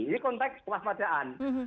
ini konteks waspadaan